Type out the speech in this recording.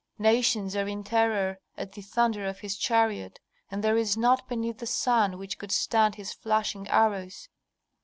Nations are in terror at the thunder of His chariot, and there is naught beneath the sun which could stand His flashing arrows.